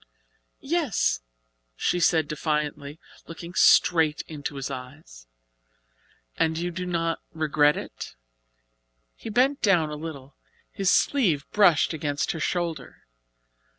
"Yes," she said defiantly, looking straight into his eyes. "And you do not regret it?" He bent down a little. His sleeve brushed against her shoulder.